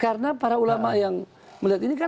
karena para ulama yang melihat ini